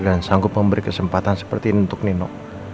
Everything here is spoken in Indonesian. dan sanggup memberi kesempatan seperti ini untuk nino